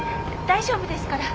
大丈夫ですから。